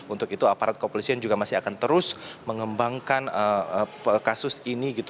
untuk itu aparat kepolisian juga masih akan terus mengembangkan kasus ini gitu